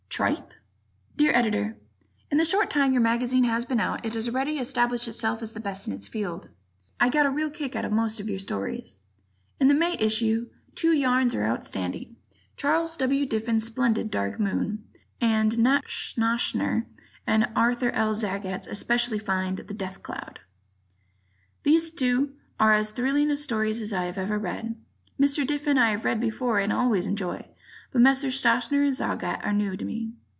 Tripe? Dear Editor: In the short time your mag. has been out, it has already established itself as the best in the field. I got a real kick out of most of your stories. In the May issue, two yarns are outstanding: Charles W. Diffin's splendid "Dark Moon" and Nat Schachner and Arthur L. Zagat's especially fine "The Death Cloud." These two are as thrilling stories as I have ever read. Mr. Diffin I've read before and always enjoyed; but Messrs. Schachner and Zagat are new to me.